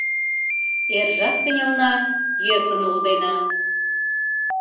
Эржат кынелна - йӧсын улдена.